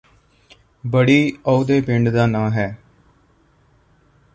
ਬੜੀ ਉਹਦੇ ਪਿੰਡ ਦਾ ਨਾਂ ਹੈ